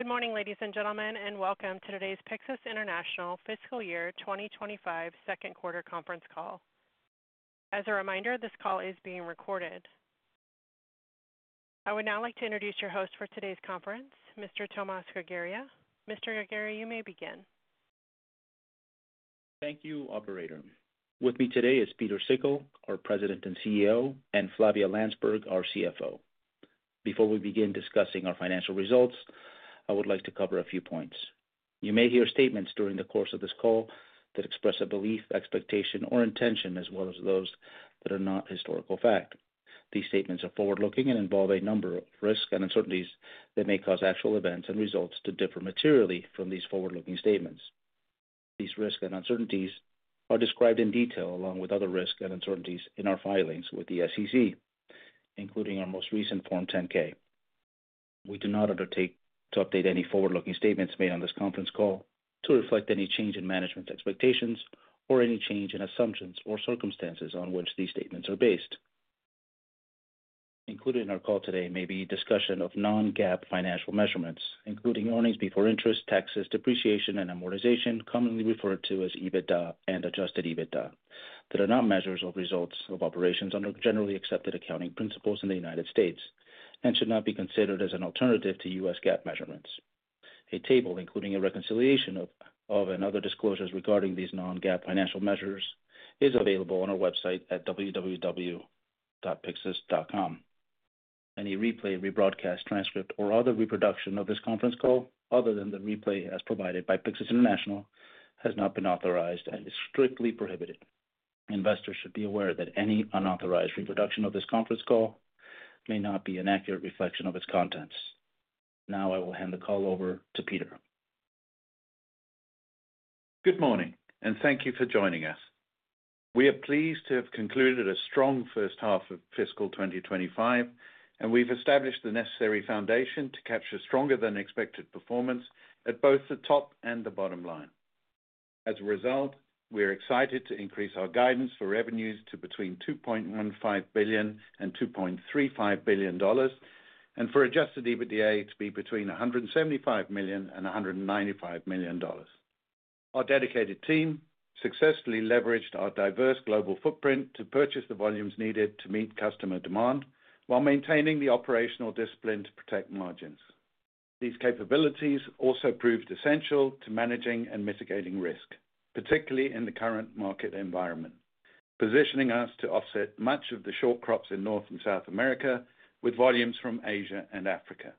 Good morning, ladies and gentlemen, and welcome to today's Pyxus International fiscal year 2025 second quarter conference call. As a reminder, this call is being recorded. I would now like to introduce your host for today's conference, Mr. Tomas Grigera. Mr. Grigera, you may begin. Thank you, Operator. With me today is Pieter Sikkel, our President and CEO, and Flavia Landsberg, our CFO. Before we begin discussing our financial results, I would like to cover a few points. You may hear statements during the course of this call that express a belief, expectation, or intention, as well as those that are not historical fact. These statements are forward-looking and involve a number of risks and uncertainties that may cause actual events and results to differ materially from these forward-looking statements. These risks and uncertainties are described in detail, along with other risks and uncertainties, in our filings with the SEC, including our most recent Form 10-K. We do not undertake to update any forward-looking statements made on this conference call to reflect any change in management expectations or any change in assumptions or circumstances on which these statements are based. Included in our call today may be discussion of non-GAAP financial measurements, including earnings before interest, taxes, depreciation, and amortization, commonly referred to as EBITDA and adjusted EBITDA, that are not measures of results of operations under generally accepted accounting principles in the United States and should not be considered as an alternative to U.S. GAAP measurements. A table including a reconciliation of and other disclosures regarding these non-GAAP financial measures is available on our website at www.pyxus.com. Any replay, rebroadcast, transcript, or other reproduction of this conference call other than the replay as provided by Pyxus International has not been authorized and is strictly prohibited. Investors should be aware that any unauthorized reproduction of this conference call may not be an accurate reflection of its contents. Now, I will hand the call over to Pieter. Good morning, and thank you for joining us. We are pleased to have concluded a strong first half of fiscal 2025, and we've established the necessary foundation to capture stronger-than-expected performance at both the top and the bottom line. As a result, we are excited to increase our guidance for revenues to between $2.15 billion and $2.35 billion and for adjusted EBITDA to be between $175 million and $195 million. Our dedicated team successfully leveraged our diverse global footprint to purchase the volumes needed to meet customer demand while maintaining the operational discipline to protect margins. These capabilities also proved essential to managing and mitigating risk, particularly in the current market environment, positioning us to offset much of the short crops in North and South America with volumes from Asia and Africa.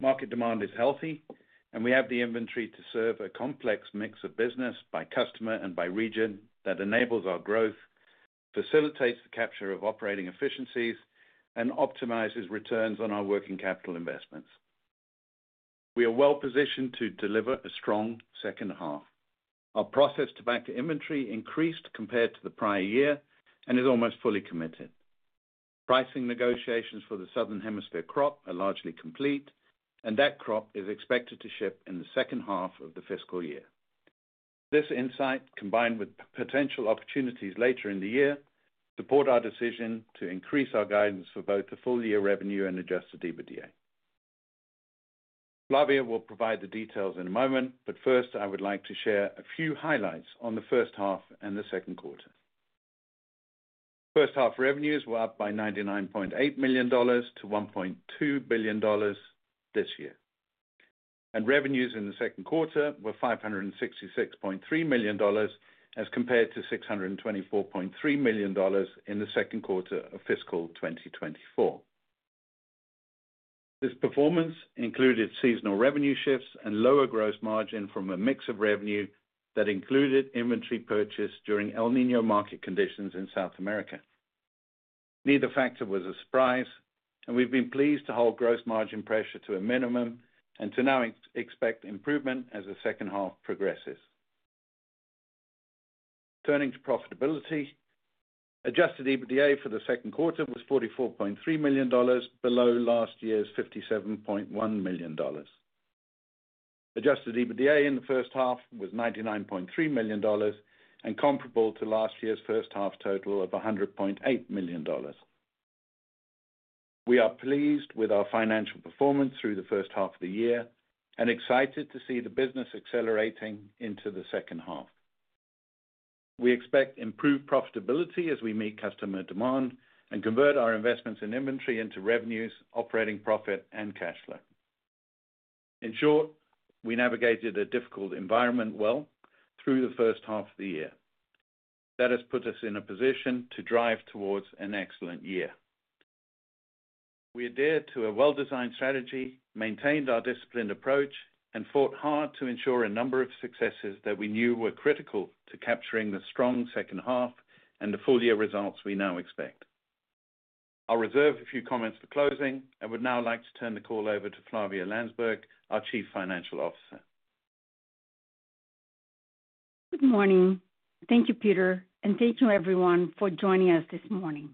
Market demand is healthy, and we have the inventory to serve a complex mix of business by customer and by region that enables our growth, facilitates the capture of operating efficiencies, and optimizes returns on our working capital investments. We are well positioned to deliver a strong second half. Our processed tobacco inventory increased compared to the prior year and is almost fully committed. Pricing negotiations for the southern hemisphere crop are largely complete, and that crop is expected to ship in the second half of the fiscal year. This insight, combined with potential opportunities later in the year, supports our decision to increase our guidance for both the full-year revenue and Adjusted EBITDA. Flavia will provide the details in a moment, but first, I would like to share a few highlights on the first half and the second quarter. First-half revenues were up by $99.8 million to $1.2 billion this year, and revenues in the second quarter were $566.3 million as compared to $624.3 million in the second quarter of fiscal 2024. This performance included seasonal revenue shifts and lower gross margin from a mix of revenue that included inventory purchase during El Niño market conditions in South America. Neither factor was a surprise, and we've been pleased to hold gross margin pressure to a minimum and to now expect improvement as the second half progresses. Turning to profitability, adjusted EBITDA for the second quarter was $44.3 million, below last year's $57.1 million. Adjusted EBITDA in the first half was $99.3 million and comparable to last year's first half total of $100.8 million. We are pleased with our financial performance through the first half of the year and excited to see the business accelerating into the second half. We expect improved profitability as we meet customer demand and convert our investments in inventory into revenues, operating profit, and cash flow. In short, we navigated a difficult environment well through the first half of the year. That has put us in a position to drive towards an excellent year. We adhered to a well-designed strategy, maintained our disciplined approach, and fought hard to ensure a number of successes that we knew were critical to capturing the strong second half and the full-year results we now expect. I'll reserve a few comments for closing and would now like to turn the call over to Flavia Landsberg, our Chief Financial Officer. Good morning. Thank you, Pieter, and thank you, everyone, for joining us this morning.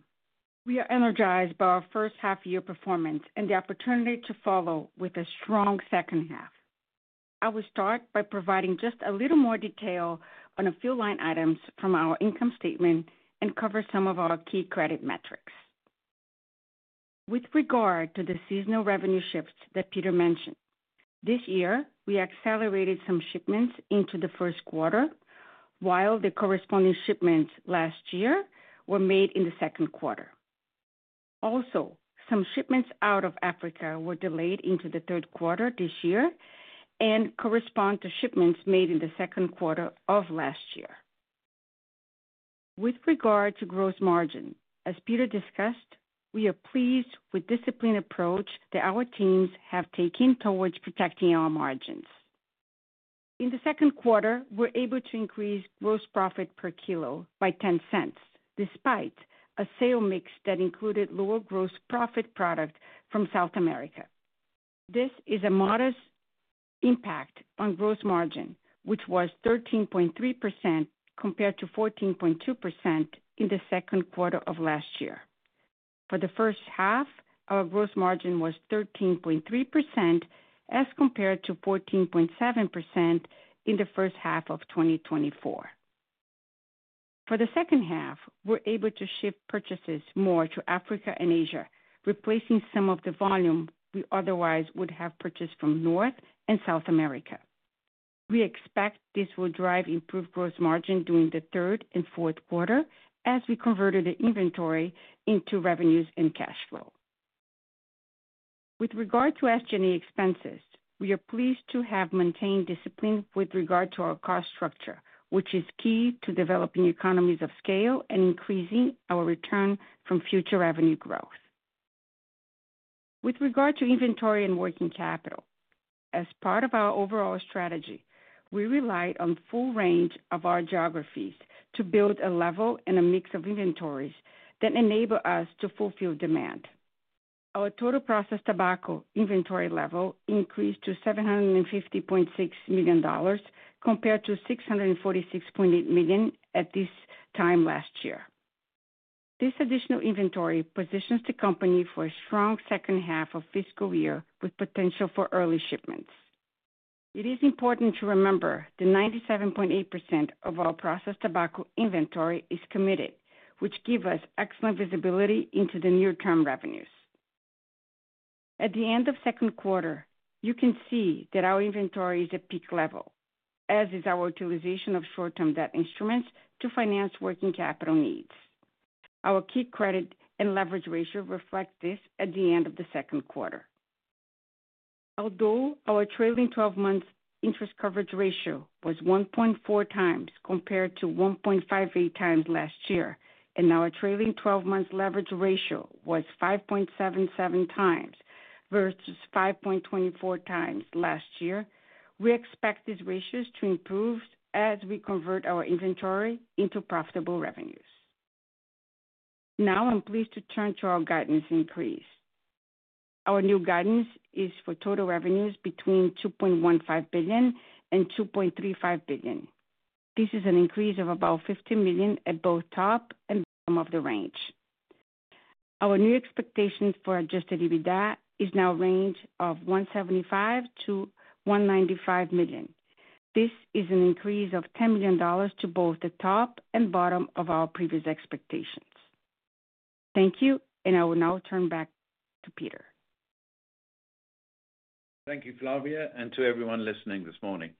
We are energized by our first half-year performance and the opportunity to follow with a strong second half. I will start by providing just a little more detail on a few line items from our income statement and cover some of our key credit metrics. With regard to the seasonal revenue shifts that Pieter mentioned, this year, we accelerated some shipments into the first quarter, while the corresponding shipments last year were made in the second quarter. Also, some shipments out of Africa were delayed into the third quarter this year and correspond to shipments made in the second quarter of last year. With regard to gross margin, as Pieter discussed, we are pleased with the disciplined approach that our teams have taken towards protecting our margins. In the second quarter, we were able to increase gross profit per kilo by $0.10 despite a sale mix that included lower gross profit product from South America. This is a modest impact on gross margin, which was 13.3% compared to 14.2% in the second quarter of last year. For the first half, our gross margin was 13.3% as compared to 14.7% in the first half of 2024. For the second half, we were able to shift purchases more to Africa and Asia, replacing some of the volume we otherwise would have purchased from North and South America. We expect this will drive improved gross margin during the third and fourth quarter as we converted the inventory into revenues and cash flow. With regard to SG&A expenses, we are pleased to have maintained discipline with regard to our cost structure, which is key to developing economies of scale and increasing our return from future revenue growth. With regard to inventory and working capital, as part of our overall strategy, we relied on the full range of our geographies to build a level and a mix of inventories that enable us to fulfill demand. Our total processed tobacco inventory level increased to $750.6 million compared to $646.8 million at this time last year. This additional inventory positions the company for a strong second half of fiscal year with potential for early shipments. It is important to remember the 97.8% of our processed tobacco inventory is committed, which gives us excellent visibility into the near-term revenues. At the end of the second quarter, you can see that our inventory is at peak level, as is our utilization of short-term debt instruments to finance working capital needs. Our key credit and leverage ratio reflects this at the end of the second quarter. Although our trailing 12-month interest coverage ratio was 1.4x compared to 1.58x last year, and our trailing 12-month leverage ratio was 5.77x versus 5.24x last year, we expect these ratios to improve as we convert our inventory into profitable revenues. Now, I'm pleased to turn to our guidance increase. Our new guidance is for total revenues between $2.15 billion and $2.35 billion. This is an increase of about $15 million at both top and bottom of the range. Our new expectation for Adjusted EBITDA is now a range of $175 million-$195 million. This is an increase of $10 million to both the top and bottom of our previous expectations. Thank you, and I will now turn back to Pieter. Thank you, Flavia, and to everyone listening this morning.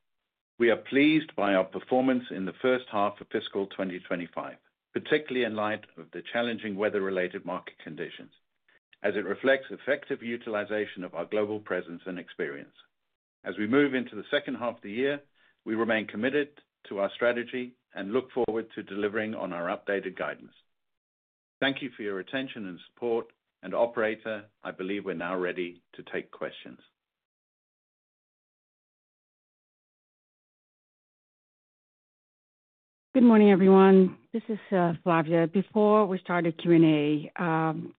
We are pleased by our performance in the first half of fiscal 2025, particularly in light of the challenging weather-related market conditions, as it reflects effective utilization of our global presence and experience. As we move into the second half of the year, we remain committed to our strategy and look forward to delivering on our updated guidance. Thank you for your attention and support, and Operator, I believe we're now ready to take questions. Good morning, everyone. This is Flavia. Before we start the Q&A,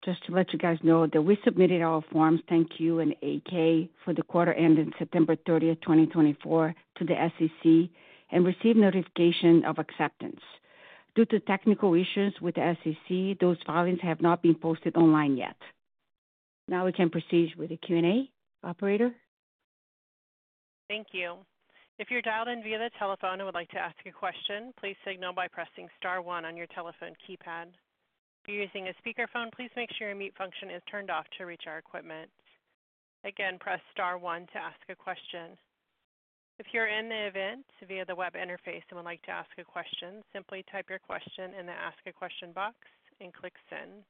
just to let you guys know that we submitted our Form 10-K for the quarter ending September 30, 2024, to the SEC and received notification of acceptance. Due to technical issues with the SEC, those filings have not been posted online yet. Now we can proceed with the Q&A. Operator? Thank you. If you're dialed in via the telephone and would like to ask a question, please signal by pressing star one on your telephone keypad. If you're using a speakerphone, please make sure your mute function is turned off to reach our equipment. Again, press star one to ask a question. If you're in the event via the web interface and would like to ask a question, simply type your question in the Ask a Question box and click Send.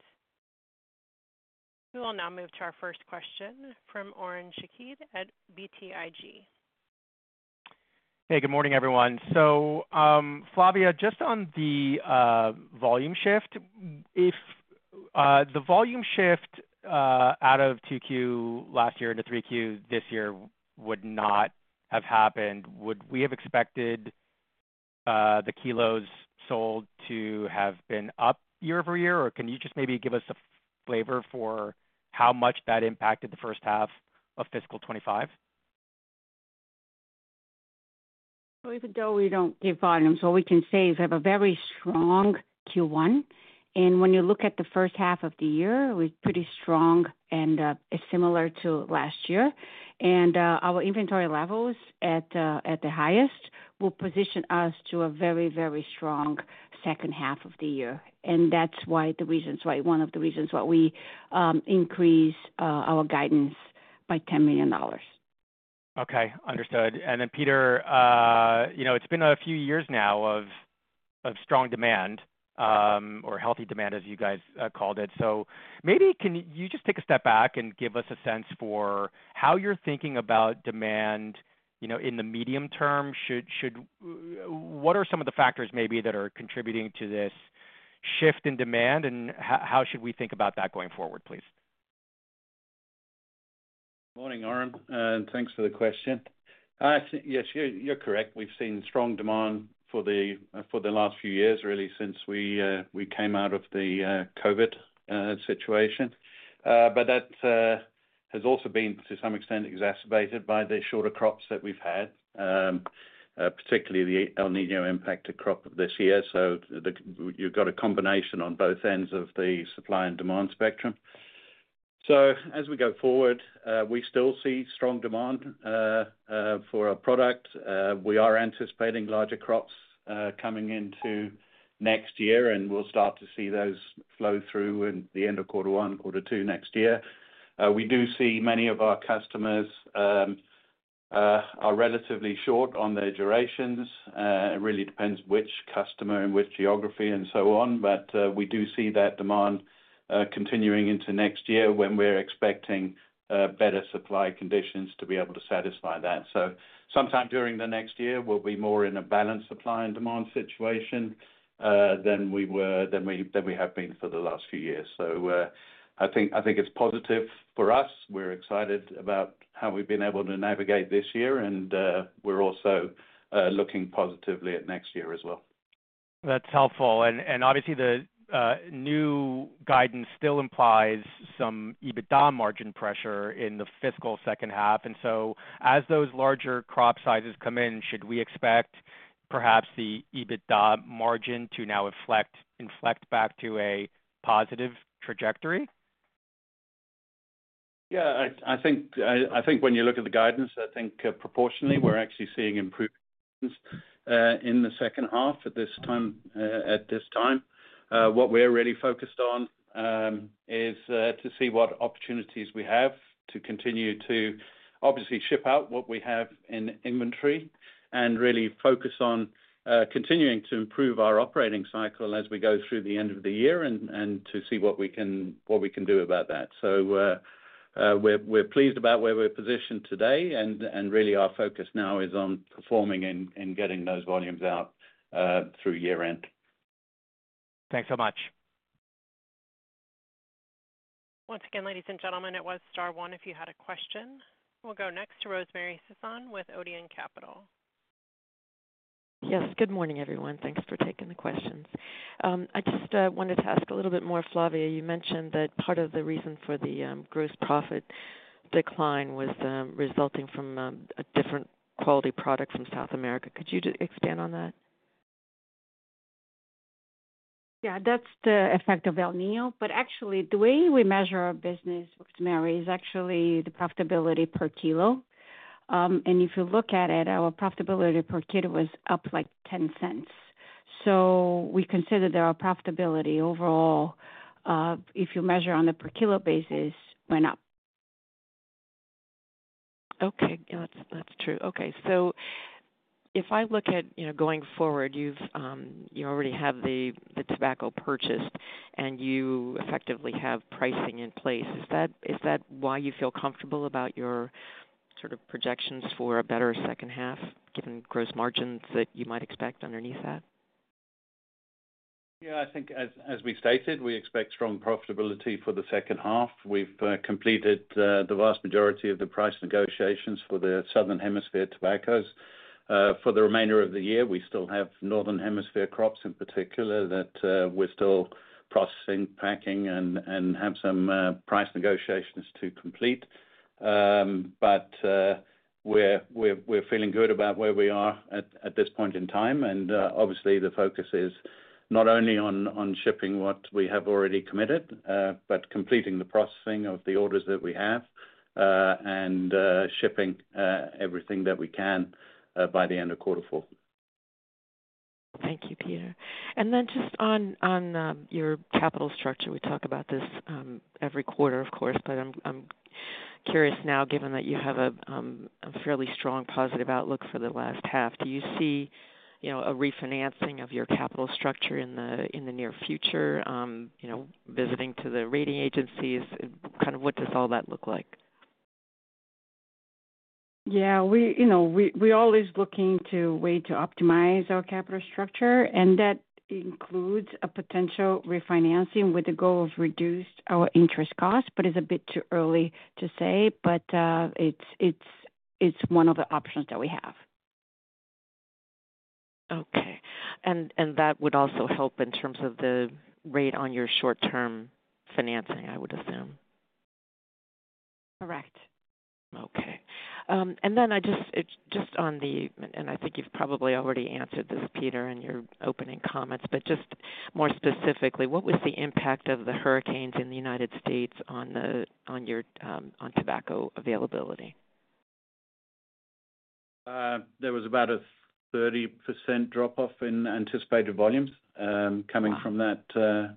We will now move to our first question from Oren Shaked at BTIG. Hey, good morning, everyone. So, Flavia, just on the volume shift, if the volume shift out of 2Q last year into 3Q this year would not have happened, would we have expected the kilos sold to have been up year over year, or can you just maybe give us a flavor for how much that impacted the first half of fiscal 2025? Even though we don't give volumes, what we can say is we have a very strong Q1, and when you look at the first half of the year, it was pretty strong and similar to last year. Our inventory levels at their highest will position us to a very, very strong second half of the year. That's one of the reasons why we increased our guidance by $10 million. Okay. Understood. And then, Pieter, you know it's been a few years now of strong demand or healthy demand, as you guys called it. So maybe can you just take a step back and give us a sense for how you're thinking about demand in the medium term? What are some of the factors maybe that are contributing to this shift in demand, and how should we think about that going forward, please? Morning, Oren, and thanks for the question. Yes, you're correct. We've seen strong demand for the last few years, really, since we came out of the COVID situation. But that has also been, to some extent, exacerbated by the shorter crops that we've had, particularly the El Niño impacted crop of this year. So you've got a combination on both ends of the supply and demand spectrum. So as we go forward, we still see strong demand for our product. We are anticipating larger crops coming into next year, and we'll start to see those flow through in the end of quarter one, quarter two next year. We do see many of our customers are relatively short on their durations. It really depends which customer and which geography and so on, but we do see that demand continuing into next year when we're expecting better supply conditions to be able to satisfy that. So sometime during the next year, we'll be more in a balanced supply and demand situation than we have been for the last few years. So I think it's positive for us. We're excited about how we've been able to navigate this year, and we're also looking positively at next year as well. That's helpful. And obviously, the new guidance still implies some EBITDA margin pressure in the fiscal second half. And so as those larger crop sizes come in, should we expect perhaps the EBITDA margin to now inflect back to a positive trajectory? Yeah. I think when you look at the guidance, I think proportionally we're actually seeing improvements in the second half at this time. What we're really focused on is to see what opportunities we have to continue to obviously ship out what we have in inventory and really focus on continuing to improve our operating cycle as we go through the end of the year and to see what we can do about that. So we're pleased about where we're positioned today, and really our focus now is on performing and getting those volumes out through year-end. Thanks so much. Once again, ladies and gentlemen, it was star one if you had a question. We'll go next to Rosemary Sisson with Odeon Capital. Yes. Good morning, everyone. Thanks for taking the questions. I just wanted to ask a little bit more, Flavia. You mentioned that part of the reason for the gross profit decline was resulting from a different quality product from South America. Could you expand on that? Yeah. That's the effect of El Niño. But actually, the way we measure our business, Rosemary, is actually the profitability per kilo. And if you look at it, our profitability per kilo was up like $0.10. So we considered our profitability overall, if you measure on a per kilo basis, went up. Okay. That's true. Okay. So if I look at going forward, you already have the tobacco purchased, and you effectively have pricing in place. Is that why you feel comfortable about your sort of projections for a better second half, given gross margins that you might expect underneath that? Yeah. I think as we stated, we expect strong profitability for the second half. We've completed the vast majority of the price negotiations for the southern hemisphere tobaccos. For the remainder of the year, we still have northern hemisphere crops in particular that we're still processing, packing, and have some price negotiations to complete, but we're feeling good about where we are at this point in time, and obviously, the focus is not only on shipping what we have already committed, but completing the processing of the orders that we have and shipping everything that we can by the end of quarter four. Thank you, Pieter. And then just on your capital structure, we talk about this every quarter, of course, but I'm curious now, given that you have a fairly strong positive outlook for the last half, do you see a refinancing of your capital structure in the near future, speaking to the rating agencies? Kind of what does all that look like? Yeah. We're always looking to a way to optimize our capital structure, and that includes a potential refinancing with the goal of reducing our interest costs, but it's a bit too early to say, but it's one of the options that we have. Okay. And that would also help in terms of the rate on your short-term financing, I would assume? Correct. Okay. And then just on the-and I think you've probably already answered this, Pieter, in your opening comments-but just more specifically, what was the impact of the hurricanes in the United States on your tobacco availability? There was about a 30% drop-off in anticipated volumes coming from that.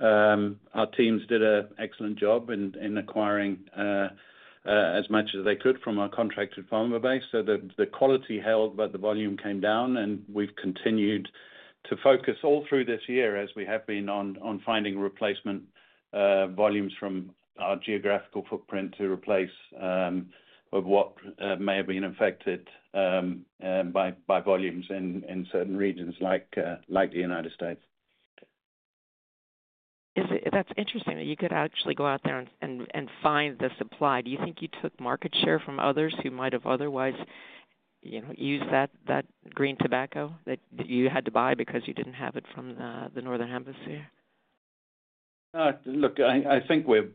Our teams did an excellent job in acquiring as much as they could from our contracted farmer base. So the quality held, but the volume came down, and we've continued to focus all through this year, as we have been, on finding replacement volumes from our geographical footprint to replace what may have been affected by volumes in certain regions like the United States. That's interesting that you could actually go out there and find the supply. Do you think you took market share from others who might have otherwise used that green tobacco that you had to buy because you didn't have it from the northern hemisphere? Look, I think we're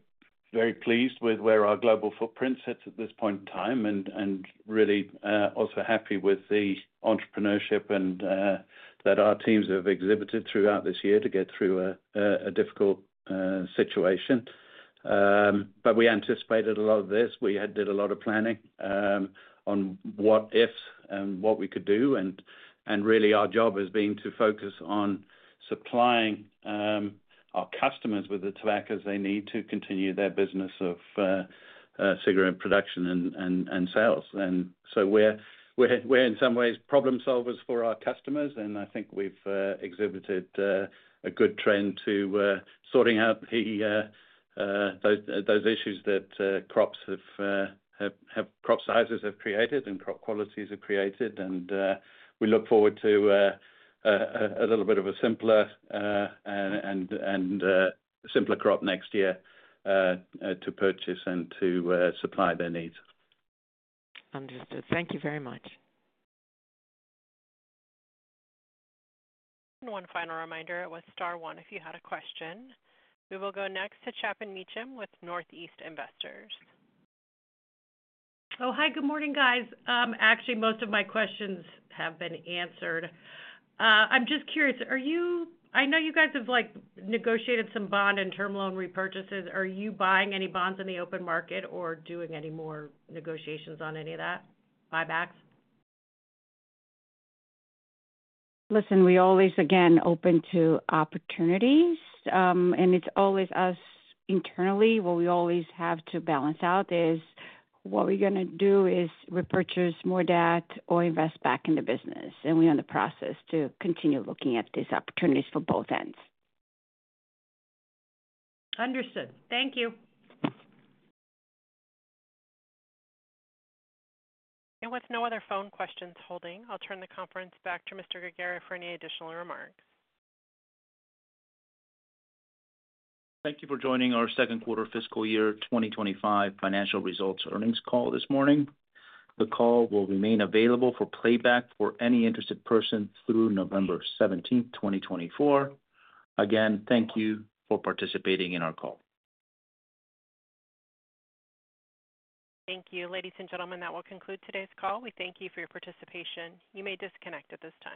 very pleased with where our global footprint sits at this point in time and really also happy with the entrepreneurship that our teams have exhibited throughout this year to get through a difficult situation. But we anticipated a lot of this. We had done a lot of planning on what ifs and what we could do. And really, our job has been to focus on supplying our customers with the tobacco they need to continue their business of cigarette production and sales. And so we're in some ways problem solvers for our customers, and I think we've exhibited a good trend to sorting out those issues that crop sizes have created and crop qualities have created. And we look forward to a little bit of a simpler crop next year to purchase and to supply their needs. Understood. Thank you very much. One final reminder, it was star one if you had a question. We will go next to Chapin Mechem with Northeast Investors. Oh, hi. Good morning, guys. Actually, most of my questions have been answered. I'm just curious. I know you guys have negotiated some bond and term loan repurchases. Are you buying any bonds in the open market or doing any more negotiations on any of that, buybacks? Listen, we're always, again, open to opportunities, and it's always us internally. What we always have to balance out is what we're going to do is repurchase more debt or invest back in the business, and we're in the process to continue looking at these opportunities for both ends. Understood. Thank you. With no other phone questions holding, I'll turn the conference back to Mr. Grigera for any additional remarks. Thank you for joining our second quarter fiscal year 2025 financial results earnings call this morning. The call will remain available for playback for any interested person through November 17th, 2024. Again, thank you for participating in our call. Thank you. Ladies and gentlemen, that will conclude today's call. We thank you for your participation. You may disconnect at this time.